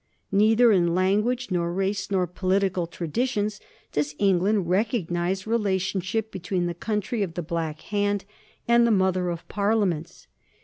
Neither in language nor race nor political traditions does England recognize relationship between the country of the Black Hand and the ' mother of parliaments.'